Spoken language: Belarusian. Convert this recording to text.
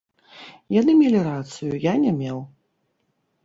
Яны мелі рацыю, я не меў.